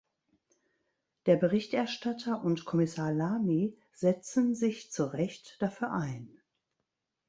Der Berichterstatter und Kommissar Lamy setzen sich zu Recht dafür ein.